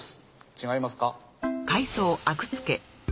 違いますか？